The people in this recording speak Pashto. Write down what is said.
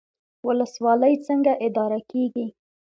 ولسوالۍ څنګه اداره کیږي؟